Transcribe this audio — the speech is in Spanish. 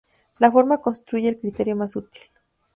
La forma constituye el criterio más útil.